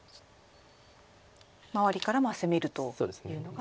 周りからも攻めるというのが。